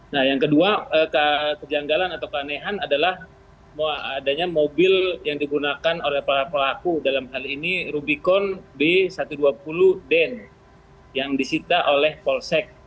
nah yang kedua kejanggalan atau keanehan adalah adanya mobil yang digunakan oleh para pelaku dalam hal ini rubicon b satu ratus dua puluh den yang disita oleh polsek